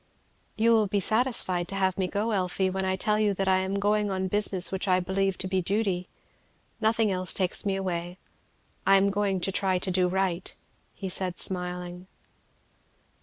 "You will be satisfied to have me go, Elfie, when I tell you that I am going on business which I believe to be duty. Nothing else takes me away. I am going to try to do right," said he smiling.